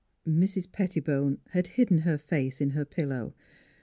Mrs. Pettibone had hidden her face in her pillow.